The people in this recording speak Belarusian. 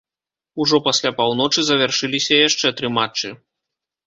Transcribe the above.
Ужо пасля паўночы завяршыліся яшчэ тры матчы.